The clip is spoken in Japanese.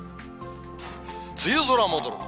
梅雨空戻る。